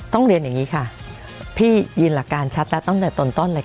เรียนอย่างนี้ค่ะพี่ยืนหลักการชัดแล้วตั้งแต่ต้นเลยค่ะ